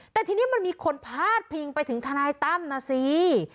แต่ทีนี้มันมีคนพาดพิงไปถึงทนายตั้มนะสิ